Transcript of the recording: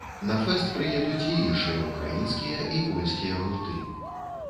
На фэст прыедуць і іншыя ўкраінскія і польскія гурты.